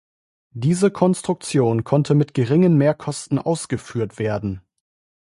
Diese Konstruktion konnte mit geringen Mehrkosten ausgeführt werden.